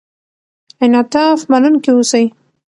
انعطاف منونکي اوسئ.